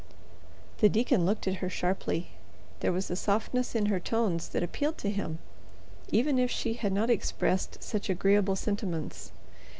The deacon looked at her sharply. There was a softness in her tones that appealed to him, even if she had not expressed such agreeable sentiments.